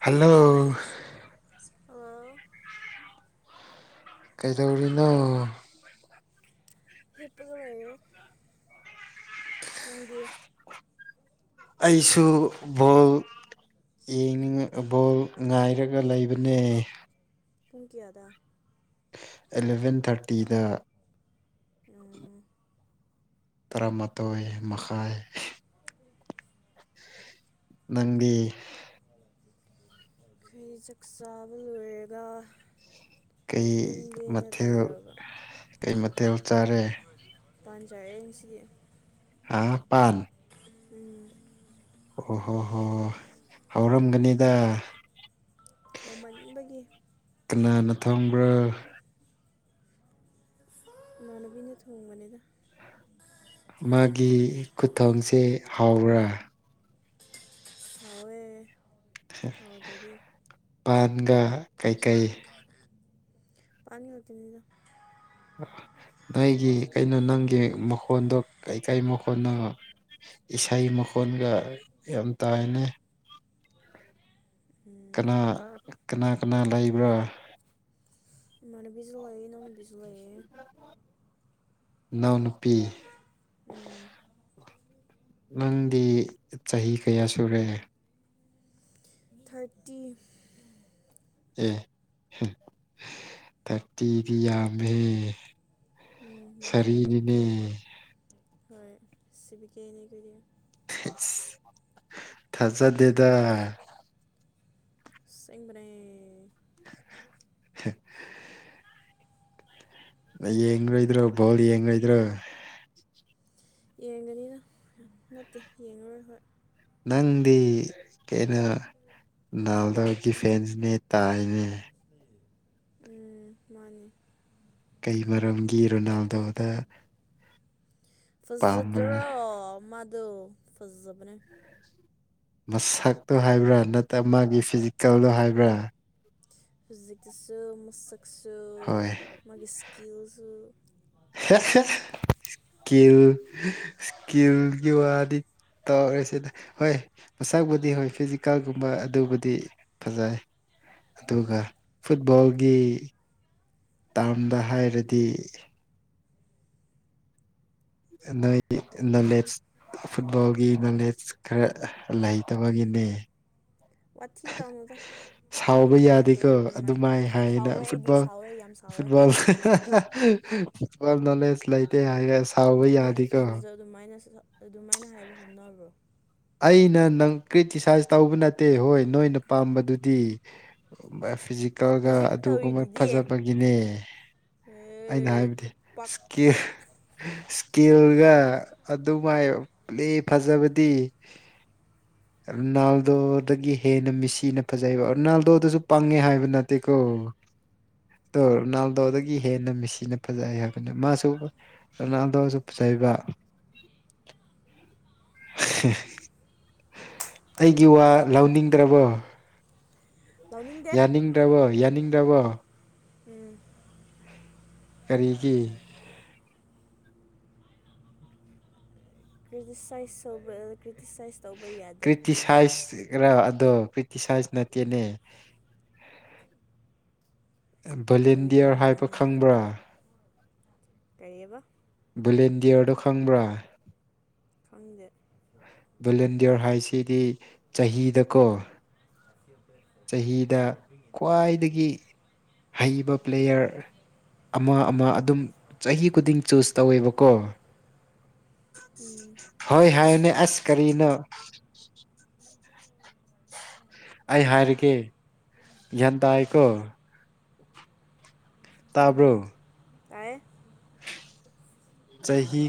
hello ꯑꯝ ꯀꯩꯗꯧꯔꯤꯅꯣ ꯍꯤꯞꯄꯒ ꯂꯩꯌꯦ ꯅꯪꯒꯤ ꯑꯩꯁꯨ ꯕꯣꯜ ꯌꯦꯡ ꯕꯣꯜ ꯉꯥꯏꯔꯒ ꯂꯩꯕꯅꯦ ꯄꯨꯡ ꯀꯌꯥꯗ ꯑꯦꯂꯚꯦꯟ ꯊꯔꯇꯤꯗ ꯎꯝ ꯇꯔꯥꯃꯥꯊꯣꯏ ꯃꯈꯥꯏ ꯅꯪꯗꯤ ꯐꯤ ꯆ ꯁꯥꯥꯕ ꯂꯣꯏꯒ ꯀꯩ ꯃꯊꯦꯜ ꯀꯩ ꯃꯊꯦꯜ ꯆꯥꯔꯦ ꯄꯥꯟꯖꯌꯦꯟꯁꯤꯒꯤ ꯍꯥ ꯄꯥꯟ ꯎꯝ ꯑꯣ ꯍꯣ ꯍꯣ ꯍꯧꯔꯝꯒꯅꯤꯗ ꯍꯣꯡꯃꯟꯕꯒꯤ ꯀꯅꯥꯅ ꯊꯣꯡꯕ꯭ꯔꯥ ꯃꯥꯅꯕꯤꯅ ꯊꯣꯡ ꯃꯅꯗ ꯃꯥꯒꯤ ꯈꯨꯊꯣꯡꯁꯦ ꯍꯥꯎꯕ꯭ꯔꯥ ꯍꯥꯋꯦ ꯄꯥꯟꯒ ꯀꯩꯀꯩ ꯄꯅꯤ ꯑꯣꯏꯗꯤꯅꯤꯅ ꯅꯣꯏꯒꯤ ꯀꯩꯅꯣ ꯅꯪꯒꯤ ꯃꯈꯣꯟꯗꯣ ꯀꯩꯀꯩ ꯃꯈꯣꯟꯅ ꯏꯁꯩ ꯃꯈꯣꯟꯒ ꯌꯥꯝ ꯇꯥꯅꯩ ꯎꯝ ꯀꯅꯥ ꯀꯅꯥ ꯀꯅꯥ ꯂꯩꯕ꯭ꯔꯥ ꯃꯥꯅ ꯕꯤꯖꯂꯋꯥ ꯅꯍꯅ ꯕꯤꯖꯜꯋꯥꯏꯌꯦ ꯏꯅꯥꯎꯅꯨꯄꯤ ꯎꯝ ꯅꯪꯗꯤ ꯆꯍꯤ ꯀꯌꯥ ꯁꯨꯔꯦ ꯊꯥꯔꯇꯤ ꯑꯦ ꯇꯇꯔꯤꯌꯥꯃꯦꯃꯦ ꯎꯝ ꯌꯥꯝꯕꯅꯦ ꯁꯔꯤꯅꯤꯅꯦ ꯍꯣꯏ ꯁꯤꯕꯤꯀꯦꯅꯦꯒꯤꯗꯤ ꯊꯖ ꯗꯦꯗ ꯁꯦꯡꯕꯔꯦ ꯌꯦꯡꯣꯏꯗ꯭ꯔꯣ ꯥꯎꯂꯤ ꯌꯦꯡꯣꯏꯗꯣ ꯌꯦꯡꯒꯅꯤꯅ ꯅꯠꯇꯦ ꯌꯦꯡꯉꯔꯣꯏ ꯍꯣꯏ ꯅꯪꯗꯤ ꯀꯩꯅꯣ ꯅꯗ ꯐꯦꯟꯁꯅꯦ ꯇꯥꯏꯅꯦ ꯎꯝ ꯃꯥꯅꯦ ꯀ ꯃꯔꯝꯒꯤ ꯔꯣꯅꯥꯜꯗꯣꯗ ꯄꯥꯝꯕ꯭ꯔꯥ ꯐꯖꯗꯔꯣ ꯃꯥꯗꯣ ꯐꯖꯕꯅꯦ ꯃꯁꯛꯇꯣ ꯍꯥꯏꯕ꯭ꯔꯥ ꯅꯠꯇ꯭ꯔ ꯃꯥꯒꯤ ꯐꯤꯖꯤꯀꯦꯜꯗꯣ ꯍꯥꯏꯕ꯭ꯔꯥ ꯐꯤꯖꯤꯛꯁꯁꯨ ꯃꯁꯛꯁꯨ ꯍꯣꯏ ꯃꯥꯒꯤ ꯁꯀꯤꯜꯁꯨ ꯏꯁꯀꯤꯜ ꯏꯁꯀꯤꯜꯒꯤ ꯋꯥꯗꯤ ꯇꯧꯔꯁꯤꯗ ꯍꯣꯏ ꯃꯁꯛꯕꯨꯗꯤ ꯍꯣꯏ ꯐꯤꯖꯤꯀꯦꯜꯒꯨꯝꯕ ꯑꯗꯨꯕꯨꯗꯤ ꯐꯖꯩ ꯑꯗꯨꯒ ꯐꯨꯠꯕꯣꯜꯒꯤ ꯇꯥꯔꯝꯗ ꯍꯥꯏꯔꯗꯤ ꯅꯣꯏ ꯅꯣꯂꯦꯖ ꯐꯨꯠꯕꯣꯜꯒꯤ ꯅꯣꯂꯦꯖ ꯈꯔ ꯂꯩꯇꯕꯒꯤꯅꯤ [inaudible] ꯋꯥꯊꯤ ꯇꯧꯅꯗ ꯃꯤꯒꯤ ꯁꯥꯎꯕ ꯐ꯭ꯔꯦꯟꯁꯄꯨ ꯌꯥꯗꯦꯀꯣ ꯑꯗꯨꯝꯥꯏ ꯑꯗꯨꯃꯥꯏꯅ ꯍꯥꯏꯅ ꯁꯥꯎꯋꯦ ꯑꯩꯗꯤ ꯐꯨꯠꯕꯣꯜ ꯁꯥꯎꯋꯦ ꯌꯥꯝ ꯁꯥꯎꯋꯦ ꯐꯨꯠꯕꯣꯜ ꯐꯨꯠꯣꯜ ꯅꯣꯂꯦꯖ ꯂꯩꯇꯦ ꯍꯥꯏꯒꯦ ꯃꯤꯒꯤ ꯐꯦꯟꯁꯤꯗ ꯑꯗꯨꯃꯥꯏꯅ ꯑꯗꯨꯃꯥꯏꯅ ꯍꯥꯏꯕ ꯍꯧꯅꯕ꯭ꯔꯣ ꯑꯩꯅ ꯅꯪ ꯀ꯭ꯔꯤꯇꯤꯁꯥꯏꯁ ꯇꯧꯕ ꯅꯠꯇꯦ ꯍꯣꯏ ꯅꯣꯏꯅ ꯄꯥꯝꯕꯗꯨꯗꯤ ꯐꯤꯖꯤꯛ ꯇꯧꯔꯒ ꯍꯧꯖꯤꯛ ꯑꯗꯨꯒꯨꯝꯕ ꯇꯧꯔꯤꯗꯨꯗꯤ ꯐꯖꯕꯒꯤꯅꯦ ꯑꯩꯅ ꯑꯦ ꯍꯥꯏꯕꯗꯤ ꯈꯨꯄꯥꯛ ꯏꯁꯀꯦꯜꯒ ꯑꯗꯨꯃꯥꯏ ꯄ꯭ꯂꯦ ꯐꯖꯕꯗꯤ [inaudible] ꯔꯣꯅꯥꯜꯗꯣꯗꯒꯤ ꯍꯦꯟꯅ ꯃꯤꯁꯤꯅ ꯐꯖꯩꯕ ꯔꯣꯅꯥꯜꯗꯣꯗꯁꯨ ꯄꯥꯡꯉꯦ ꯍꯥꯏꯕ ꯅꯠꯇꯦꯀꯣ [inaudible] ꯑ ꯔꯣꯅꯥꯜꯗꯣꯗꯒꯤ ꯍꯦꯟꯅ ꯃꯤꯦꯁꯤꯅ ꯐꯖꯩ ꯍꯥꯏꯕꯅꯦ ꯃꯥꯁꯨ ꯔꯣꯅꯥꯜꯗꯣꯁꯨ ꯐꯖꯩ ꯂꯩꯕ [inaudible] ꯑꯩꯒꯤ ꯋꯥ ꯂꯧꯅꯤꯡꯗ꯭ꯔꯕꯣ ꯂꯧꯅꯤꯡꯗꯦ ꯌꯥꯅꯤꯡꯗ꯭ꯔꯕꯣ ꯌꯥꯅꯤꯡꯗ꯭ꯔꯕꯣ ꯎꯝ ꯀꯔꯤꯒꯤ ꯀꯇ ꯁꯋꯥ ꯁ ꯀ ꯀ꯭ꯔꯤꯇꯤꯁꯥꯏꯁ ꯈꯔ ꯑꯗꯣ ꯀ꯭ꯔꯤꯇꯤꯁꯥꯏꯁ ꯅꯠꯇꯦꯅꯦ ꯚꯣꯂꯦꯟꯗꯤꯌꯔ ꯇꯧꯔꯤꯗꯨꯗꯤ ꯍꯥꯏꯕ ꯅꯪꯅ ꯈꯪꯕ꯭ꯔꯥ ꯀꯔꯤꯑꯕ ꯕꯨꯂꯦꯟ ꯗꯤꯌꯔꯗꯣ ꯈꯪꯕ꯭ꯔꯥ ꯈꯪꯗꯦ ꯚꯣꯂꯦꯟꯗꯤꯌꯔ ꯍꯥꯏꯁꯤꯗꯤ ꯆꯍꯤꯗꯀꯣ ꯆꯍꯤꯗ ꯈ꯭ꯋꯥꯏꯗꯒꯤ ꯍꯩꯕ ꯄ꯭ꯂꯦꯌꯔ ꯑꯃ ꯑꯃ ꯑꯗꯨꯝ ꯆꯍꯤ ꯈꯨꯗꯤꯡ ꯆꯨꯁ ꯇꯧꯋꯦꯕꯀꯣ ꯎꯝ ꯍꯣꯏ ꯍꯣꯏꯅꯦ ꯑꯁ ꯀꯔꯤ ꯅ ꯑꯩ ꯍꯥꯏꯔꯒꯦ ꯒ꯭ꯌꯥꯟ ꯇꯥꯏꯀꯣ ꯇꯥꯕ꯭ꯔꯣ ꯇꯌꯦ ꯆꯍꯤ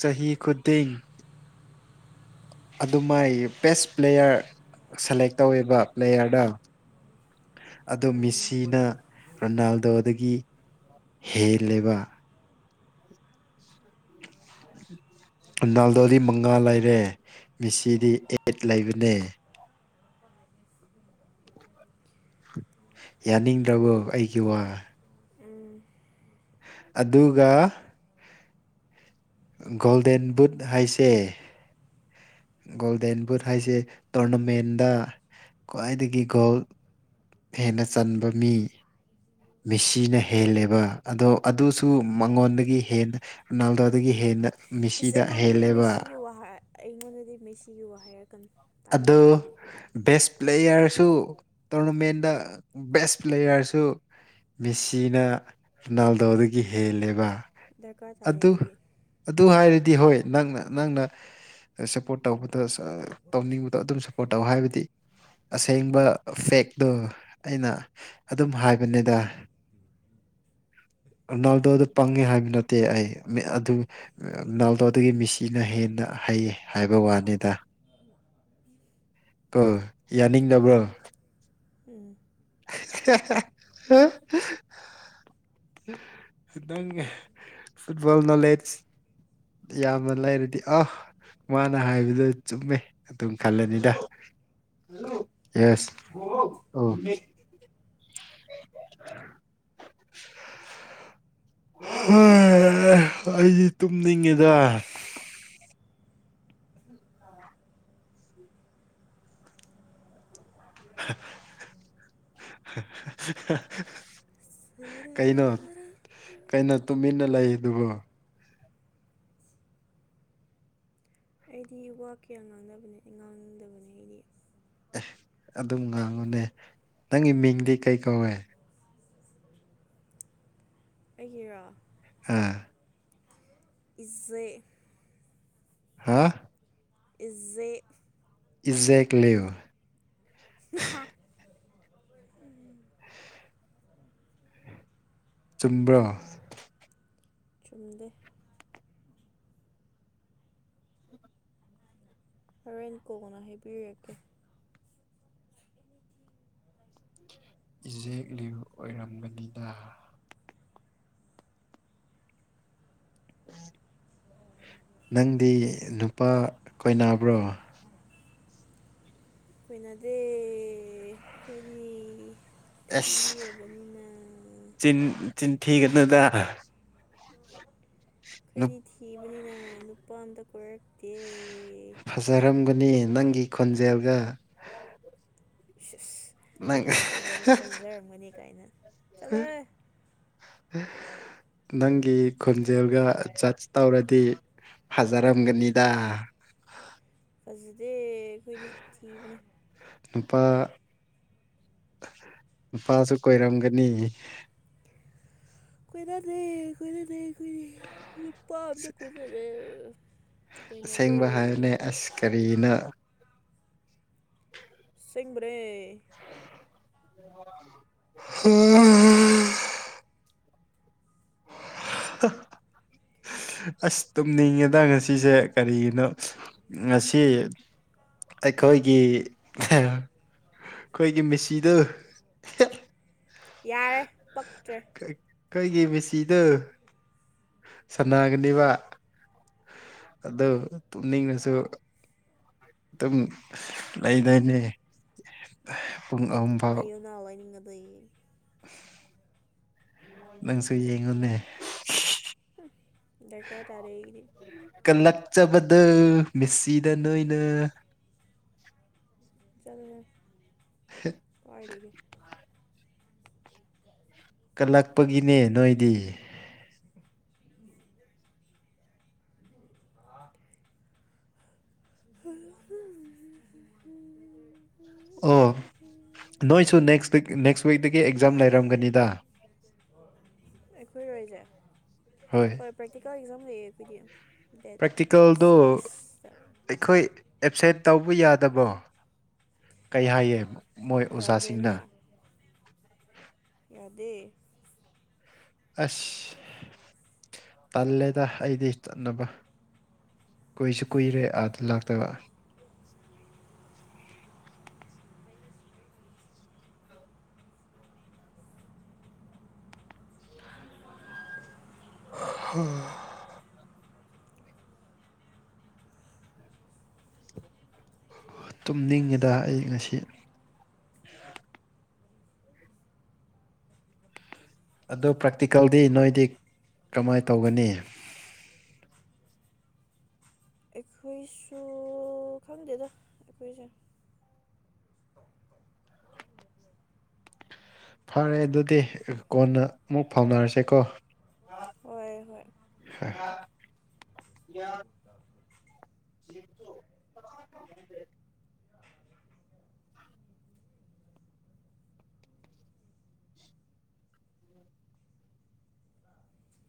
ꯆꯍꯤ ꯈꯨꯗꯤꯡ ꯑꯗꯨꯃꯥꯏ ꯕꯦꯁ ꯄ꯭ꯂꯦꯌꯔ ꯁꯦꯂꯦꯛ ꯇꯧꯋꯦꯕ ꯄ꯭ꯂꯦꯌꯔꯗ ꯑꯗꯨ ꯑꯗꯣ ꯎꯝ ꯃꯤꯁꯤꯅ ꯔꯣꯅꯥꯜꯗꯣꯗꯒꯤ ꯍꯦꯜꯂꯦꯕ [unintelligible] ꯅꯥꯜꯗꯣꯗꯤ ꯃꯉꯥ ꯂꯩꯔꯦ ꯃꯤꯁꯤꯗꯤ ꯑꯩꯠ ꯂꯩꯕꯅꯦ ꯌꯥꯅꯤꯡꯗ꯭ꯔꯕꯣ ꯑꯩꯒꯤ ꯋꯥ ꯎꯝ ꯑꯗꯨꯒ ꯒꯣꯜꯗꯦꯟ ꯕꯨꯠ ꯍꯥꯏꯁꯦ ꯒꯣꯜꯗꯦꯟ ꯕꯨꯠ ꯍꯥꯏꯁꯦ ꯇꯣꯔꯅꯥꯃꯦꯟꯗ ꯈ꯭ꯋꯥꯏꯗꯒꯤ ꯒꯣꯜ ꯍꯦꯟꯅ ꯆꯟꯕ ꯃꯤ ꯃꯤꯦꯁꯤꯅ ꯍꯦꯜꯂꯦꯕ ꯑꯗꯣ ꯑꯗꯨꯁꯨ ꯃꯉꯣꯟꯗꯒꯤ ꯍꯦꯟꯣꯅꯥꯜꯗꯣ ꯑꯁ ꯑꯩꯉꯣꯟꯗꯗꯤ ꯃꯦꯁꯤꯒꯤ ꯋꯥꯍ ꯑꯩꯉꯣꯟꯗꯗꯤ ꯃꯦꯁꯤꯒꯤ ꯋꯥꯍꯩꯔ ꯑꯗ ꯦꯁ ꯄ꯭ꯂꯦꯌꯔꯁꯨ ꯇꯣꯔꯅꯃꯦꯟꯗ ꯕꯦꯁ ꯄ꯭ꯂꯦꯌꯔꯁꯨ ꯃꯦꯁꯤꯅ ꯔꯣꯅꯥꯜꯗꯣꯗꯒꯤ ꯍꯦꯜꯂꯦꯕ ꯗꯔꯀꯥꯔ ꯇꯥꯗꯦ ꯑꯗꯨ ꯑꯩꯗꯤ ꯑꯗꯨ ꯍꯥꯏꯔꯗꯤ ꯍꯣꯏ ꯅꯪꯅ ꯅꯪꯅ ꯁꯞꯄꯣꯔꯠ ꯇꯧꯕꯗ ꯇꯧꯅꯤꯡꯕꯗꯣ ꯑꯗꯨꯝ ꯁꯞꯄꯣꯔꯠ ꯇꯧ ꯍꯥꯏꯕꯗꯤ ꯑꯁꯦꯡꯕ ꯐꯦꯛꯇꯣ ꯑꯩꯅ ꯑꯗꯨꯝ ꯍꯥꯏꯕꯅꯤꯗ ꯅꯥꯜꯗꯣꯗ ꯄꯪꯉꯦ ꯍꯥꯏꯕ ꯅꯠꯇꯦ ꯑꯩ ꯑꯗꯨ ꯅꯥꯜꯗꯣꯗꯒꯤ ꯃꯤꯦꯁꯤꯅ ꯍꯦꯟꯅ ꯍꯩ ꯍꯥꯏꯕ ꯋꯥꯅꯤꯗ ꯎ ꯀ ꯌꯥꯅꯤꯡꯗꯕ꯭ꯔꯣ ꯎꯝ ꯍꯜꯂ ꯅꯪ ꯐꯨꯠꯕꯣꯜ ꯅꯣꯂꯦꯖ ꯌꯥꯝꯅ ꯂꯩꯔꯗꯤ ꯑ ꯃꯥꯅ ꯍꯥꯏꯕꯗꯨꯣ ꯆꯨꯝꯃꯦ ꯑꯗꯨꯝ ꯈꯜꯂꯅꯤꯗ ꯌꯦꯁ ꯑꯣ [unintelligible] ꯍ ꯑꯩꯗꯤ ꯇꯨꯝꯅꯤꯡꯉꯤꯗ [unintelligible] ꯀꯩꯅꯣ ꯀꯩꯅꯣ ꯇꯨꯃꯤꯟꯅ ꯂꯩ ꯑꯗꯨꯕꯨ ꯑꯩꯗꯤ ꯋꯥ ꯀꯌꯥ ꯉꯥꯡꯗꯕꯅꯦ ꯉꯥꯡꯗꯕꯅꯦ ꯑꯩꯗꯤ ꯑꯗꯨꯝ ꯉꯥꯡꯉꯨꯅꯦ ꯅꯪꯒꯤ ꯃꯤꯡꯗꯤ ꯀꯩ ꯀꯧꯋꯦ ꯑꯩꯒꯤꯔ ꯑꯥ ꯏꯖꯩ ꯍꯥ ꯎꯆꯩ ꯏꯖꯦꯛ ꯂꯦꯌꯣ ꯎꯝ ꯆꯨꯝꯝꯕ꯭ꯔꯥ ꯆꯨꯝꯗ ꯍꯣꯔꯦꯟ ꯀꯣꯅ ꯍꯥꯏꯕꯤꯔꯛꯀꯦ ꯏꯖꯦꯛ ꯂꯤꯌꯨ ꯑꯣꯏꯔꯝꯕꯅꯤꯅ [unintelligible] ꯅꯪꯗꯤ ꯅꯨꯄꯥ ꯀꯣꯏꯅꯥꯕ꯭ꯔꯣ ꯑꯩꯈꯣꯏꯅꯗꯤꯦ ꯑꯩꯈꯣꯏꯒꯤ ꯁ ꯆꯤꯟ ꯆꯤꯟꯤꯟꯊ ꯀ ꯑꯗꯨꯗ ꯑꯩꯈꯣꯏꯗꯤ ꯊꯤꯕꯅꯤꯅ ꯅꯨꯄꯥ ꯑꯝꯇ ꯀꯣꯏꯔꯛꯇꯦ ꯐꯖꯔꯝꯒꯅꯤ ꯅꯪꯒꯤ ꯈꯣꯟꯖꯦꯜꯒ ꯑꯁ ꯅꯪ ꯑꯩꯒꯤ ꯈꯨꯟꯖꯗ ꯐꯖꯔꯝꯒꯅꯤ ꯀꯥꯏꯅ ꯆꯠꯂꯦ ꯅꯪꯒꯤ ꯈꯣꯟꯖꯦꯜꯒ ꯖꯠꯆ ꯇꯧꯔꯗꯤ ꯐꯖꯔꯝꯒꯅꯤꯗ ꯐꯖꯗꯦ ꯑꯩꯈꯣꯏꯗꯤ ꯊꯤꯕꯅꯦ ꯅꯨꯄꯥ ꯅꯨꯄꯥꯁꯨ ꯀꯣꯏꯔꯝꯒꯅꯤ ꯀꯅ ꯂꯩ ꯀꯅ ꯂꯩ ꯑꯩꯈ ꯅꯨꯄꯥ ꯑꯝꯇ ꯀꯏꯅꯗ ꯀꯨꯏꯅꯗꯩ ꯑ ꯁꯤꯁꯤꯡꯔꯩ ꯍ [unintelligible] ꯑꯁ ꯇꯨꯝꯅꯤꯡꯉꯦꯗ ꯉꯁꯤꯁꯦ ꯀꯔꯤꯒꯤꯅꯣ ꯉꯁꯤ ꯑꯩꯈꯣꯏꯒꯤ ꯑꯩꯈꯣꯏꯒꯤ ꯃꯤꯁꯤꯗꯨ ꯌꯥꯔꯦ ꯄꯛꯇ꯭ꯔꯦ ꯀꯩꯒꯤ ꯃꯦꯆꯤꯗꯨ ꯁꯅꯒꯅꯦꯕ ꯑꯗꯣ ꯇꯅꯤꯡꯅꯁꯨ ꯑꯗꯨꯝ ꯂꯩꯗꯣꯏꯅꯦ ꯄꯨꯡ ꯑꯍꯨꯝ ꯐꯥꯎ ꯌꯣ ꯅꯣ ꯅꯤꯡꯉ ꯑꯗ ꯅꯪꯁꯨ ꯌꯦꯡꯉꯨꯅꯦ ꯗꯀꯥ ꯇꯥꯔꯩꯒꯗꯤ ꯑ ꯑꯗꯨ ꯃꯦꯁꯤꯗ ꯅꯣꯏꯅ ꯆꯠꯂ ꯀꯥꯏꯔꯤꯗꯒꯤ ꯀꯜꯂꯛꯄꯒꯤꯅꯦ ꯅꯣꯏꯗꯤ ꯑ [unintelligible] ꯑꯣ ꯅꯣꯏꯁꯨ ꯅꯦꯛꯁ ꯅꯦꯛꯁ ꯋꯤꯛꯇꯒꯤ ꯑꯦꯛꯖꯥꯝ ꯂꯩꯔꯝꯒꯅꯤꯗ ꯑꯩꯈꯣꯏꯔꯣꯏꯁꯦ ꯍꯣꯏ ꯄ꯭ꯔꯦꯛꯇꯤꯀꯦꯜ ꯑꯦꯛꯖꯥꯝ ꯂꯩꯌꯦ ꯑꯩꯈꯣꯏꯗꯤ ꯗꯦꯠ ꯄ꯭ꯔꯦꯛꯇꯤꯀꯦꯜꯗꯣ ꯁꯤꯛꯁꯇ ꯑꯩꯈꯣꯏ ꯑꯦꯞꯁꯦꯟ ꯇꯧꯕ ꯌꯥꯗꯕꯣ ꯀꯩ ꯍꯥꯏꯌꯦ ꯃꯣꯏ ꯑꯣꯖꯥꯁꯤꯡꯅ ꯌꯥꯗꯦꯅꯣ ꯌꯥꯗꯦ ꯑꯁ ꯇꯜꯂꯦꯗ ꯑꯩꯗꯤ ꯆꯠꯅꯕ ꯀꯨꯏꯁꯨ ꯀꯨꯏꯔꯦ ꯑꯥꯗ ꯂꯥꯛꯇꯕ ꯍꯝ ꯇꯨꯝꯅꯤꯡꯉꯤꯗ ꯑꯩ ꯉꯁꯤ ꯑꯗꯨ ꯄ꯭ꯔꯥꯛꯇꯤꯀꯦꯜꯗꯤ ꯅꯣꯏꯗꯤ ꯀꯃꯥꯏꯅ ꯇꯧꯒꯅꯤ ꯑꯩꯈꯣꯏꯁꯨ ꯈꯪꯗꯦꯗ ꯑꯩꯈꯣꯏꯁꯦ ꯐꯔꯦ ꯑꯗꯨꯗꯤ ꯀꯣꯟꯅ ꯑꯃꯨꯛ ꯐꯥꯎꯅꯔꯁꯦꯀꯣ ꯍꯣꯏ ꯍꯣꯏ ꯌꯥ [unintelligible]